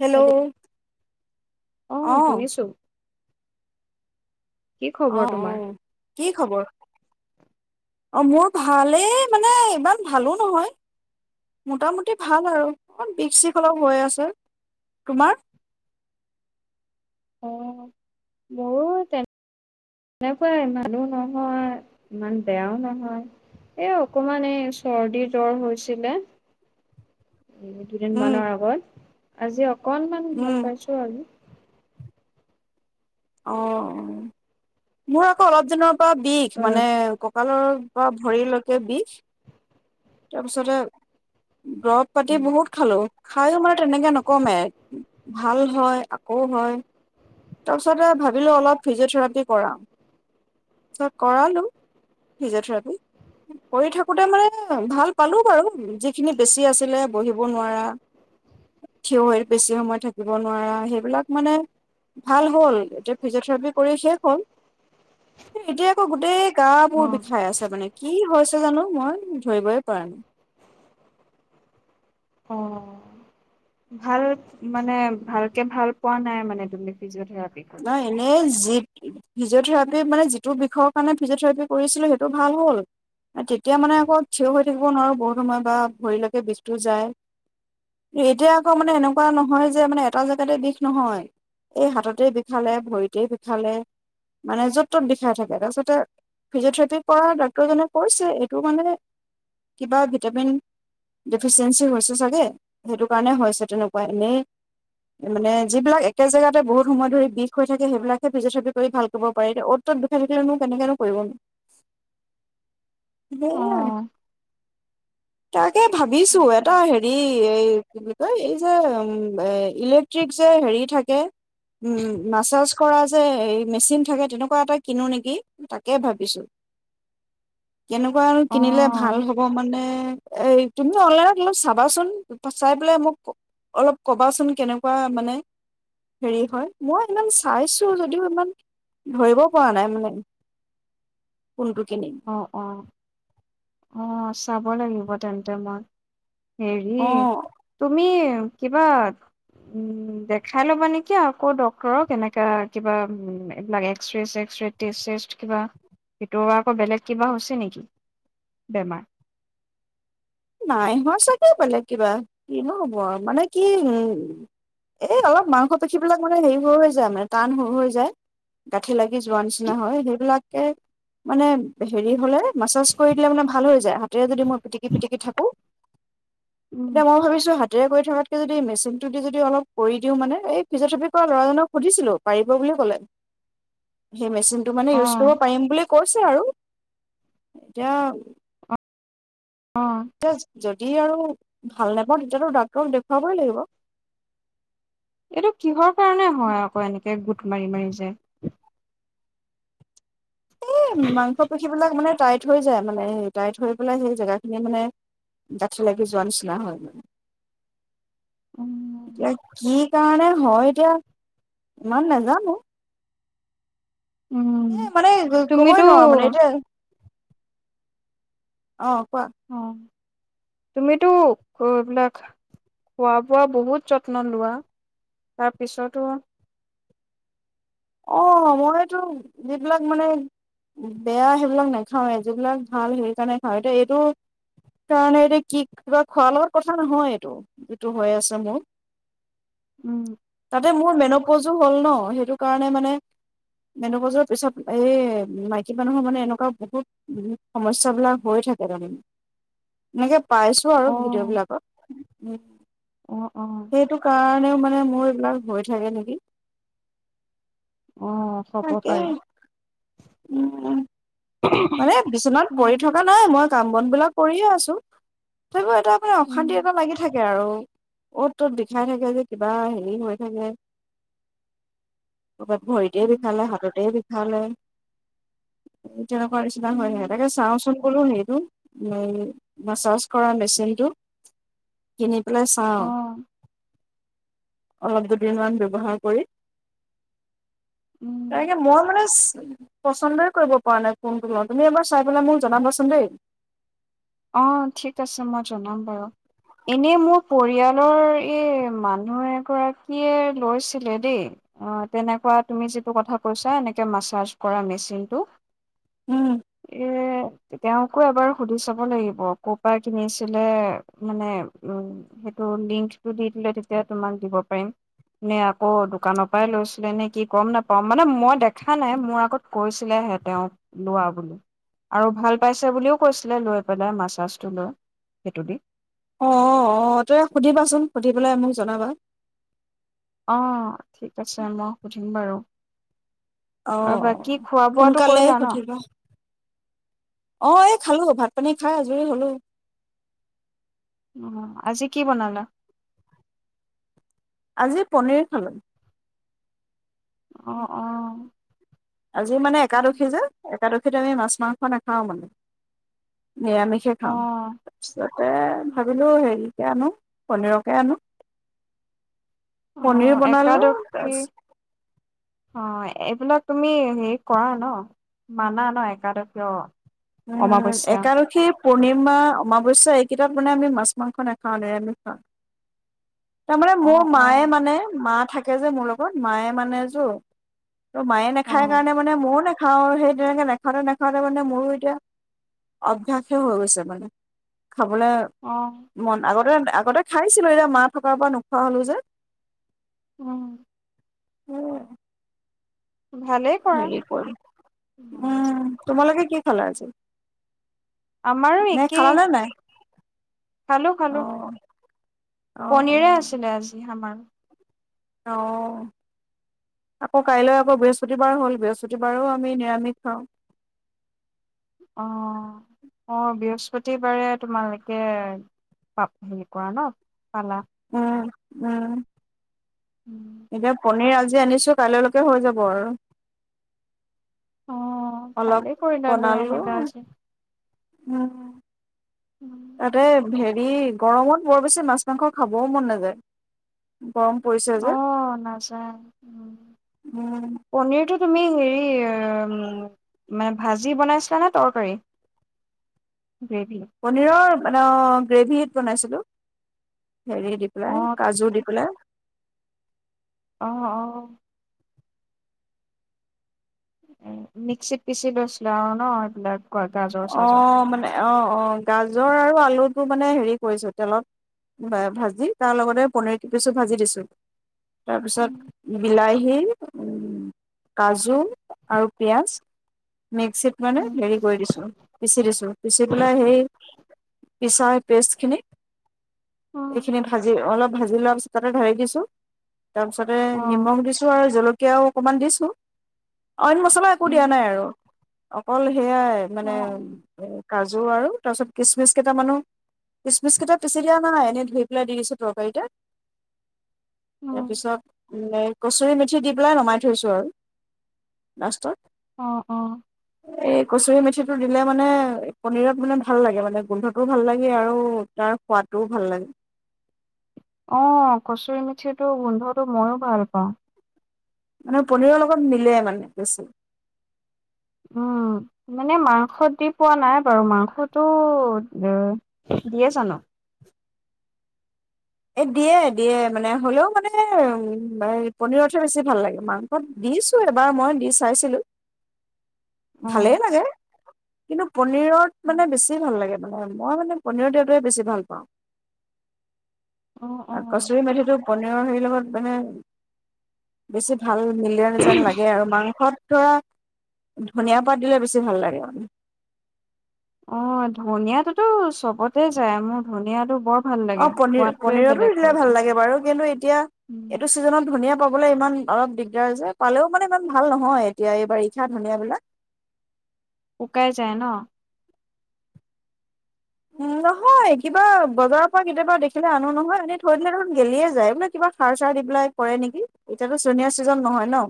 Hello অ কি অ খবৰ তোমাৰ? কি খবৰ? অ' মোৰ ভালেই মানে ইমান ভালো নহয়। মোটামুটি ভাল আৰু অকমান বিষ চিষ অলপ হৈ আছে তোমাৰ। অ' মোৰো তেনেকুৱা ইমানো ভাল নহয় ইমান বেয়াও নহয়। এ অকমান এই চৰ্দীৰ জ্বৰ হৈছিলে। এ দুদিন উম মানৰ আগত আজি অকনমান উম ভাল পাইছো আৰু। অ মোৰ আক অলপ দিনৰ পৰা বিষ অ' মানে ককালৰ পৰা ভৰিলৈকে বিষ। তাৰপিছতে দৰব পাতি বহুত খালো খাইয়ো মানে তেনেকে নকমে ভাল হয় আকৌ হয়। তাৰপিছতে ভাবিলো অলপ ফিজিঅ'থেৰাপি কৰাও। তাৰ কৰালো ফিজিঅথেৰাপি কৰি থাকোতে মানে ভাল পালো বাৰু যিখিনি বেছি আছিলে বহিব নোৱাৰা। থিয় হৈ বেছি সময় থাকিব নোৱাৰা সেইবিলাক মানে ভাল হ'ল এতিয়া ফিজিঅথেৰাপি কৰি শেষ হল এতিয়া আকৌ গোটেই গা বোৰ অ' বিষাই আছে মানে কি হৈছে জানো মই ধৰিবই পাৰা নাই। অ'। ভাল মানে ভালকে ভাল পোৱা নাই মানে তুমি ফিজিঅথেৰাপি কৰি নাই এনেই যি ফিজিঅ'থেৰাপি মানে যিটো বিষয়ৰ কাৰণে ফিজিঅ'থেৰাপি কৰিছিলো সেইটো ভাল হ'ল। তেতিয়া মানে আকৌ থিয় হৈ থাকিব নোৱাৰোঁ বহুত সময় বা ভৰিলৈকে বিষটো যায়। এতিয়া আকৌ মানে এনেকুৱা নহয় যে মানে এটা জেগাতে বিষ নহয় এই হাততে বি ষালে ভৰিতেই বিষালে মানে য'ত ত'ত বিষাই থাকে তাৰপিছতে ফিজিঅ'থেৰাপি কৰা ডাক্তৰজনে কৈছে এইটো মানে কিবা ভিটামিন ডেফিচিয়েঞ্চি হৈছে চাগে সেইটো কাৰণে হৈছে তেনেকুৱা এনেই মানে যিবিলাক একে জেগাতে বহুত সময় ধৰি বিষ হৈ থাকে সেইবিলাকে ফিজিঅথেৰাপি ভাল কৰিব পাৰি অ'ত ত'ত বিখাই থাকিলে নো কেনেকেনো কৰিব। [inaudible] সেইয়া অ' তাকে ভাবিছো এটা হে ৰি এই কি বুলি কয় এই যে উ এ ইলেক্ট্ৰিক যে হেৰি থাকে উম মাছাজ কৰা যে এই মেচিন থাকে তেনেকুৱা এটা কিনো নেকি তাকে ভাবিছো কেনেকুৱা নো কিনিলে অ' ভাল হ'ব মানে এই তুমি অনলাইনত অলপ চাবাচোন চাই পেলাই মোক অলপ কবাচোন কেনেকুৱা মানে হেৰি হয় মই ইমান চাইছো যদিও ইমান ধৰিব পৰা নাই মানে। কোনটো কিনি অঁ অঁ অঁ চাব লাগিব তেন্তে মই। হেৰি অ', তুমি কিবা উম দেখাই ল'বা নেকি আকৌ ডক্তৰক এনেকা কিবা উম এইবিলাক এক্সৰে চেক্সৰে টেষ্ট চেষ্ট কিবা, ভিতৰুৱা আকৌ বেলেগ কিবা হৈছে নেকি বেমাৰ? নাইহোৱা চাগে বেলেগ কিবা কিনো হ'ব আৰু মানে কি উম এই অলপ মাংস পেখী বিলাক মানে হেৰি হৈ হৈ যায় মানে টান হৈ হৈ যায়। গাঁঠি লাগি যোৱা নিচিনা হয় সেইবিলাকে মানে হেৰি হ'লে মাছাজ কৰি দিলে মানে ভাল হৈ যায় হাতেৰে যদি মই পিটিকি পিটিকি থাকো উম। এতিয়া মই ভাবিছো হা তেৰে কৰি থকাতকে যদি মেচিনটো দি যদি অলপ কৰি দিওঁ মানে, এই ফিজি'থেৰাপি কৰা ল'ৰাজনক সুধিছিলো পাৰিব বুলি ক'লে। [inaudible] সেই মেচিনটো মানে অ ইউজ কৰিব পাৰিম বুলি কৈছে আৰু এতিয়া অঁ অঁ। এতিয়া যদি আৰু ভাল নাপাওঁ তেতিয়াতো ডাক্তৰক দেখুৱাবই লাগিব এইটো কিহৰ কাৰণে হয় আকৌ এনেকে গোট মাৰি মাৰি যায়? এই মাংস পেশী বিলাক মানে টাই ট হৈ যায় মানে টাইট হৈ পেলাই সেই জেগা খিনি মানে গাঁঠি লাগি যোৱা নিচিনা হয় মানে। [inaudible] উম এতিয়া কি কাৰণে হয় এতিয়া ইমান নাজানো এ মানে তুমিতো কবই নোৱাৰো মানে এতিয়া, অঁ কোৱা। অ, তুমিতো এইবিলাক খোৱা বোৱা বহুত যত্ন লোৱা তাৰপিছতো অ মইতো যিবিলাক মানে বেয়া সেইবিলাক নাখাওৱে যিবিলাক ভাল সেই কাৰণে খাওঁ এতিয়া এইটো কি কাৰণে এতিয়া কি কিবা খোৱা লগত কথা নহয় এইটো যিটো হৈ আছে মোৰ উম তাতে মোৰ মেন'পজো হ'ল ন সেইটো কাৰণে মানে মেন'পজৰ পিছত এই মাইকী মানুহৰ মানে এনেকুৱা বহুত সমস্যা বিলাক হৈয়েই থাকে তাৰমানে এনেকে পাইছোঁ অ আৰু ভিডিঅ' বিলাকত উম অ অ সেইটো কাৰণেও মানে মোৰ এইবিলাক হৈ থাকে নেকি। অ হ'ব পাৰে। তাকেই উম মানে বিচনাত উম পৰি থকা নাই মই কাম বন বিলাক কৰিয়ে আছোঁ। তেনেকে কিবা মানে উম, অশান্তি এটা লাগি থাকে আৰু অ'ত ত'ত বিষাই থাকে যে কিবা হেৰি হৈ থাকে। ক'ৰবাত ভৰিতে উম, বিষালে, হাততে বিষালে। তেনেকুৱা নিচিনা হয়, উম, তাকে চাওঁচোন বোলোঁ সেইটো এই মাছাজ কৰা মেচিনটো। কিনি পেলাই চাওঁ অ', অলপ দুদিন মান ব্যৱহাৰ কৰি। উম। তেনেকে মই মানে পচন্দই কৰিব পৰা নাই। ফোনটো ল আৰু তুমি এবাৰ চাই পেলাই মোক জনাবাচোন দেই। অ ঠিক আছে মই জনাম বাৰু। এনেই মোৰ পৰিয়ালৰ এই মানুহ এগৰাকীয়ে লৈছিলে দেই। অঁ তেনেকোৱা তুমি যিটো কথা কৈছা এনেকে মাছাৰ্জ কৰা মেচিনটো। উম এ তেওঁকো এবাৰ সুধি চাব লাগিব কৰ পৰা কিনিছিলে মানে উম সেইটো লিংকটো দি দিলে তেতিয়া তোমাক দিব পাৰিম। নে আকৌ দোকানৰ পৰাই লৈছিলে নেকি গম নাপাওঁ মানে মই দেখা নাই, মোৰ আগত কৈছিলেহে তেওঁক লোৱা বুলি আৰু ভাল পাইছে বুলিও কৈছিলে লৈ পেলাই মাছাজটো লৈ সেইটো দি। অঁ অঁ অ তই সুধিবাচোন সুধি পেলাই মোক জনাবা। অ ঠিক আছে মই সুধিম বাৰু। অ', আৰু বাকী খোৱা বোৱাটো সোনকালে কৰিলা ন। সুধিবা অ এই খালোঁ ভাত পানী খাই আজৰি হলোঁ। উম আজি কি বনালা? আজি পনীৰ খালোঁ। অ অ আজি মানে একাদশী যে একাদশীত আমি মাছ মাংস নাখাওঁ মানে নিৰামিষ হে খাওঁ অ', তাৰপিছতে ভাবিলোঁ হেৰিকে আনোঁ পনীৰকে আনোঁ। পনীৰ অ', বনালোঁ একাদশী তাৰপিছত অ এইবিলাক তুমি হেৰি কৰা ন। মানা ন একাদশী অ উম অমাৱস্যা একাদশী পূৰ্ণিমা, অমাৱস্যা, এইকেইটাত মানে আমি মাছ মাংস নাখাওঁ নিৰামিষ খাওঁ। তাৰমানে মোৰ অ', মায়ে অ', মানে মা থাকে যে মোৰ লগত মায়ে মানে যো তো মায়ে নাখায় অ', কাৰণে মানে মইও নাখাওঁ আৰু সেই তেনেকে নাখাওঁতে নাখাওঁতে মানে মোৰো এতিয়া অভ্যাসে হৈ গৈছে মানে, খাবলে অ। মন আগতে আগতে খাইছিলো, এতিয়া মা থকাৰ পৰা নোখোৱা হ'লো যে। উম। উম। ভালেই কৰা। হেৰি কৰি। উম তোমালোকে কি খালা আজি? আমাৰো নে একেই খালানে নাই খালো অ খালো অ পনীৰে অ'। আছিলে আজি আমাৰ। অ। আকৌ কাইলৈ আকৌ বৃহস্পতিবাৰ হ'ল, বৃহস্পতিবাৰো আমি নিৰামিষ খাওঁ। অ অ বৃহস্পতিবাৰে তোমালোকে পাপ হেৰি কৰা ন, পালা। উম উম এতিয়া পনিৰ আজি আনিছো কাইলৈ লৈকে হৈ যাব আৰু। অ', অলপ ভালেই কৰিলা লৈ বনালো আনিলা আজি। উম। উম। তাতে হেৰি গৰমত বৰ বেছি মাছ মাংস খাবও মন নাযায়। গৰম পৰিছে অ যে নাযায় উম। উম পনীৰটো তুমি হেৰি মানে ভাজি বনাইছিলা নে তৰকাৰী? গ্ৰেভী। পনীৰৰ মানে অ গ্ৰেভীত বনাইছিলো। হেৰি দি পেলাই অ', কাজু দি পেলাই। অ অ। উম মিক্সিত পিচি লৈছিলো আৰু ন এইবিলাক। গাজৰ অ চাজৰ। মানে অ অ গাজৰ আৰু আলুটো মানে হেৰি কৰিছো তেলত বা ভাজি তাৰ লগতে পনীৰ কেইপিছো ভাজি দিছো। উম, তাৰপিছত বিলাহী উম কাজু আৰু পিয়াজ মিক্সিত মানে উম, হেৰি কৰি দিছো। পিচি দিছো, পিচি পেলাই সেই পিছা পেষ্টখিনি এইখিনি অ', ভাজি অলপ ভাজি লোৱা পিছত তাতে ঢালি দিছোঁ। তাৰ পিছতে অ', নিমখ দিছো আৰু জলকীয়াও অকমান দিছোঁ। অইন মছলা একো উম, দিয়া নাই আৰু অকল সেয়াই অ', মানে অ', কাজু আৰু তাৰপিছত কিচমিচ কেইটামানো কিচমিচ কেইটা পিচি দিয়া নাই এনেই ধুই পেলাই দি দিছো তৰকাৰীটে। উম, তাৰপিছত কচুৰি মেঠি দি পেলাই নমাই থৈছোঁ আৰু লাষ্টত। অ অ। এ কচুৰি মেথি টো দিলে মানে পনীৰত মানে ভাল লাগে মানে গোন্ধটোও ভাল লাগে আৰু তাৰ সোৱাদটোও ভাল লাগে। অ কচুৰি মিঠিটো গোন্ধটো মইও ভাল পাওঁ। মানে পনীৰৰ লগত মিলে মানে বেছি। উম। মানে মাংস দি পোৱা নাই বাৰু মাংসটো এ দিয়ে জানো? এ দিয়ে দিয়ে মানে হ'লেও মানে পনীৰতহে বেছি ভাল লাগে মাং [unintelligible] দিছো এবাৰ মই দি চাইছিলোঁ। অ', ভালেই লাগে, কিন্তু পনিৰত মানে বেছি বেছি ভাল লাগে মানে মই মানে পনীৰত দিয়াটোৱে বেছি ভাল পাওঁ। অ', অ'। কচুৰি মেথিটো পনীৰৰ হেৰি লগত মানে বেছি ভাল মিলি যায় যেন লাগে আৰু মাংসত ধৰা ধনীয়া পাত দিলে বেছি ভাল লাগে মানে। অ' ধনীয়াটোতো চবতে যায়, মোৰ ধনীয়াটো বৰ ভাল অ' লাগে। পনীৰ সোৱাদটোৱে পনীৰটো বেলেগ দিলে কৰি ভাল দিয়ে, লাগে বাৰু। কিন্তু এতিয়া উম, এইটো চিজনত ধনীয়া পাবলে ইমান অলপ দিগদাৰ যে পালেও মানে ইমান ভাল নহয় এতিয়া এই বাৰিষাৰ ধনীয়া বিলাক। শুকাই যায় ন। উম, নহয় কিবা বজাৰৰ পৰা কেতিয়াবা দেখিলে আনো নহয় এনেই থৈ দিলে দেখোন গেলিয়ে যায়। মানে কিবা সাৰ চাৰ দি পেলাই কৰে নেকি, এতিয়াতো চনিয়াৰ চিজন নহয় ন।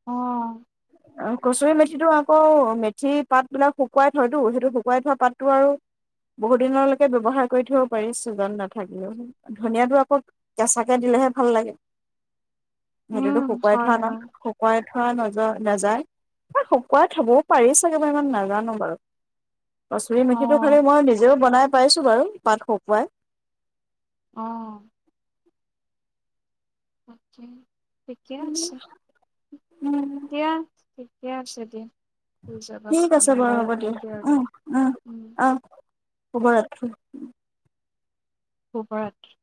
অ'। কচুৰি মেথিটো আকৌ মেথি পাতবিলাক শুকুৱাই থয়তো সেইটো শুকুৱাই থোৱা পাতটো আৰু বহুত দিনলৈকে ব্যৱহাৰ কৰি থব পাৰি, চিজন নাথাকিলেও। ধনীয়াটো আকৌ কেঁচাকে দিলেহে ভাল লাগে। সেইটোতো উম, শুকুৱাই হয়, থোৱা নাই হয়, শুকুৱাই থোৱা [unintelligible] ন-নাযায় সেই শুকুৱাই থবও পাৰি চাগে মই ইমান নাজানো বাৰু। কচুৰি মেঠিটো অ', খালি মই নিজেও বনাই পাইছোঁ বাৰু পাত শুকুৱাই। অ'। তাকেই ঠিকেই আছে। উম, দিয়া ঠিকে আছে দিয়া। শুই যাবা ঠিক আছে তুমি বাৰু ময়ো হ'ব দিয়া। শুমগে আৰু উম উম অ' শুভৰাত্ৰি! শুভৰাত্ৰি।